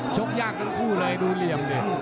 ชกยากทั้งคู่เลยดูเหลี่ยมดิ